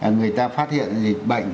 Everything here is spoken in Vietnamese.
người ta phát hiện dịch bệnh